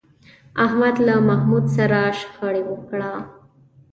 احمد له محمود سره شخړه وکړه